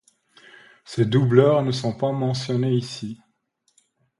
Ces doubleurs ne sont pas mentionnés ici.